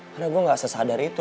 karena gue gak sesadar itu